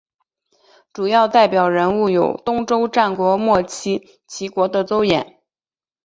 主要代表人物有东周战国末期齐国的邹衍。